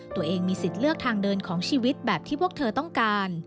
ตัวเองมีสิทธิ์เลือกทางเดินของชีวิตแบบที่พวกเธอต้องการ